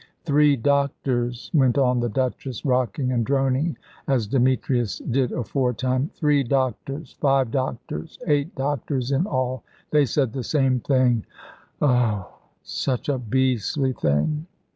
"Three doctors," went on the Duchess, rocking and droning as Demetrius did aforetime "three doctors, five doctors, eight doctors in all. They said the same thing ugh! such a beastly thing!